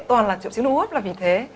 toàn là trụ chứng hô hấp là vì thế